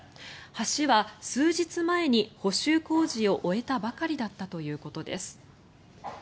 橋は数日前に補修工事を終えたばかりだったということです。